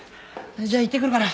じゃあ行ってくるから。